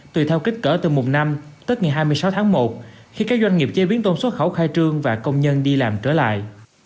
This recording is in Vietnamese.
tùy theo kích cỡ từ mùng năm tức ngày hai mươi sáu tháng một khi các doanh nghiệp chế biến tôm xuất khẩu khai trương và công nhân đi làm trở lại